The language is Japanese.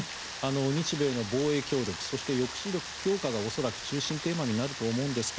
日米の防衛協力そして抑止力強化が恐らく中心テーマになると思いますが